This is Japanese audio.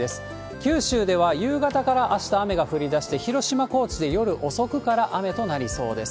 九州では夕方からあした雨が降りだして、広島、高知であした夜遅くから雨となりそうです。